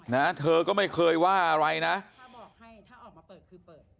นะเธอก็ไม่เคยว่าอะไรนะถ้าบอกให้ถ้าออกมาเปิดคือเปิด